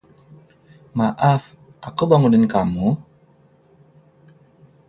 Maaf, aku bangunin kamu?